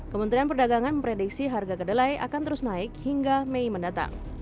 kementerian perdagangan memprediksi harga kedelai akan terus naik hingga mei mendatang